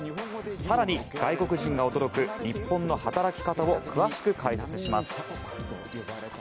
更に外国人が驚く日本の働き方を詳しく解説します。